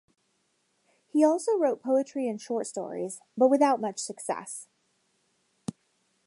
He also wrote poetry and short stories, but without much success.